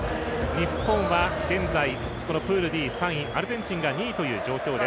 日本は現在プールＤ、３位アルゼンチンが２位という状況。